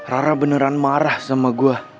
rara beneran marah sama gue